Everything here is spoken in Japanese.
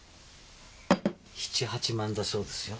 ７８万だそうですよ。